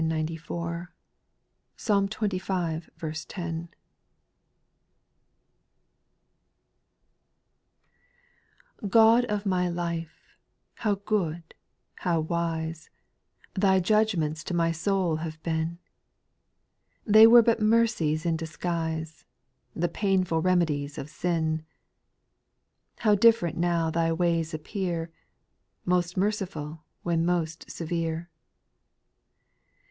Psalm XXV. 10. 1. r\ OD of my life, how good, how wise, \jr Thy judgments to my soul have been 1 They were but mercies in disguise — The painful remedies of sin : How diflferent now Thy ways appear — Most merciful when most severe I 2.